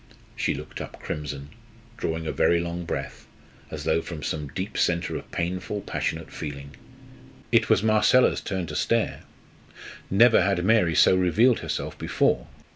She looked up crimson, drawing a very long breath, as though from some deep centre of painful, passionate feeling. It was Marcella's turn to stare. Never had Mary so revealed herself before.